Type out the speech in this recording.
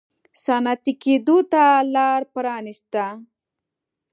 صنعتي کېدو ته لار پرانېسته.